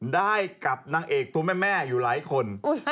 ได้กับนางเอกตัวแม่อยู่หลายคน